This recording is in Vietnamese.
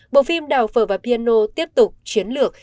bộ phim đào phở và piano tiếp tục chiến lược